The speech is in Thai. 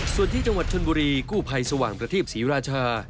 ส่วนที่จังหวัดชนบุรีกู้ภัยสว่างประทีปศรีราชา